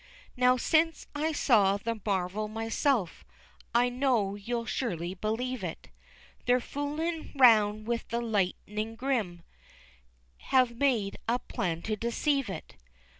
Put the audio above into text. Now, since I saw the marvel myself, I know you'll surely believe it, They're fooling 'round with the lightning grim, Have made a plan to deceive it.